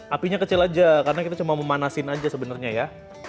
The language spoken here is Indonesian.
apinya kecil aja karena kita cuma mau manasin aja sebenernya ya